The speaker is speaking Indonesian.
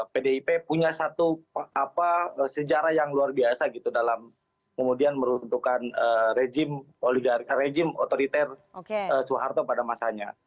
pdip punya satu sejarah yang luar biasa gitu dalam kemudian meruntuhkan rejim otoriter soeharto pada masanya